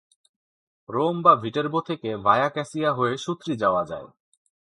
Rome বা Viterbo থেকে via cassia হয়ে সুত্রি যাওয়া যায়।